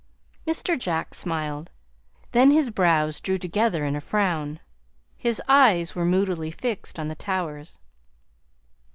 Mr. Jack smiled; then his brows drew together in a frown. His eyes were moodily fixed on the towers.